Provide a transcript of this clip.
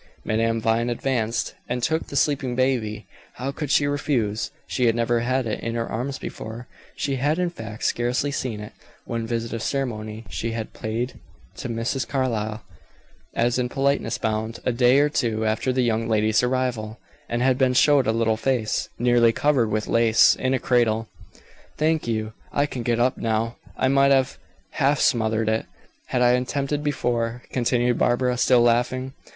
Madame Vine advanced and took the sleeping baby. How could she refuse? She had never had it in her arms before; she had, in fact, scarcely seen it. One visit of ceremony she had paid Mrs. Carlyle, as in politeness bound, a day or two after the young lady's arrival, and had been shown a little face, nearly covered with lace, in a cradle. "Thank you. I can get up now. I might have half smothered it, had I attempted before," continued Barbara, still laughing.